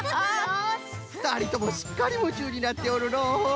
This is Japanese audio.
ふたりともすっかりむちゅうになっておるのう！